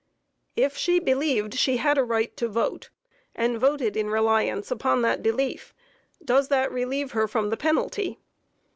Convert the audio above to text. If she believed she had a right to vote, and voted in reliance upon that belief, does that relieve her from the penalty?